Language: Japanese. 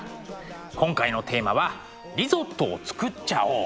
今回のテーマは「リゾットを作っちゃおう！」。